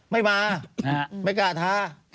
ไม่มาไม่กล้าทา